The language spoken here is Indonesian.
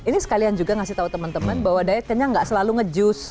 ini sekalian juga ngasih tahu teman teman bahwa diet kenyang nggak selalu ngejus